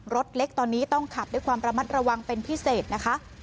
รถเล็กตอนนี้ต้องขับด้วยความระมัดระวังเป็นพิเศษนะคะ